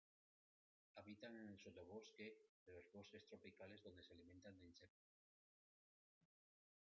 Habitan en el sotobosque de los bosques tropicales donde se alimentan de insectos.